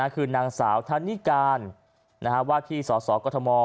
คือนางสาวทันนิกานวาถีสอสอกทม